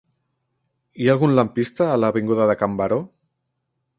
Hi ha algun lampista a l'avinguda de Can Baró?